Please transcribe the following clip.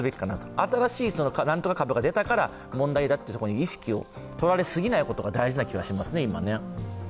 新しい何とか株が出たら問題だというところに意識を取られすぎないところが今、大事な気がします。